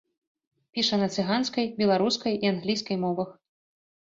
Піша на цыганскай, беларускай і англійскай мовах.